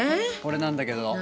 これなんだけど。